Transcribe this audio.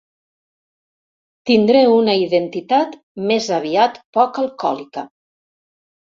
Tindré una identitat més aviat poc alcohòlica.